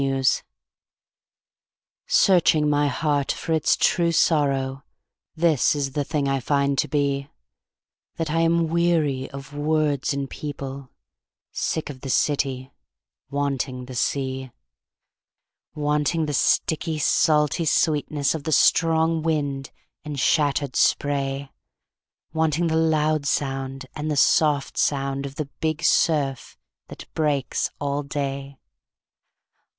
EXILED Searching my heart for its true sorrow, This is the thing I find to be: That I am weary of words and people, Sick of the city, wanting the sea; Wanting the sticky, salty sweetness Of the strong wind and shattered spray; Wanting the loud sound and the soft sound Of the big surf that breaks all day.